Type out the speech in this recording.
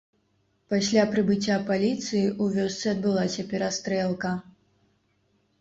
Пасля прыбыцця паліцыі ў вёсцы адбылася перастрэлка.